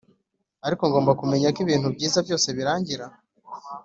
ariko ngomba kumenya ko ibintu byiza byose birangira.